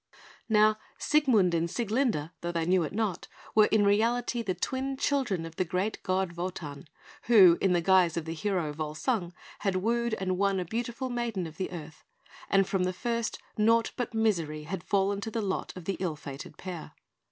Now Siegmund and Sieglinde, though they knew it not, were in reality the twin children of the great god Wotan, who, in the guise of the hero Volsung, had wooed and won a beautiful maiden of the earth; and from the first naught but misery had fallen to the lot of the ill fated pair.